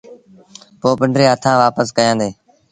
پو پنڊري هٿآݩ وآپس ڪيآݩدي۔